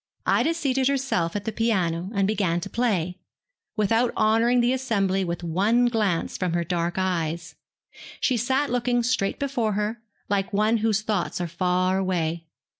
Ida seated herself at the piano and began to play, without honouring the assembly with one glance from her dark eyes. She sat looking straight before her, like one whose thoughts are far away.